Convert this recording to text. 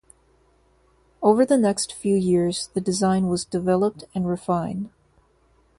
Over the next few years, the design was developed and refined.